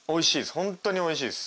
本当においしいです。